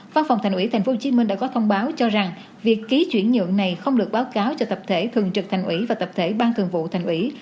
văn phòng thành ủy tp hcm đã có thông báo cho rằng việc ký chuyển nhượng này không được báo cáo cho tập thể thường trực thành ủy và tập thể ban thường vụ thành ủy